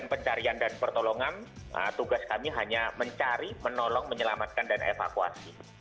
pencarian dan pertolongan tugas kami hanya mencari menolong menyelamatkan dan evakuasi